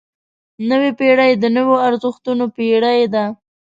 نوې پېړۍ د نویو ارزښتونو پېړۍ ده.